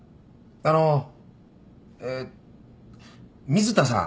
あのえ水田さん。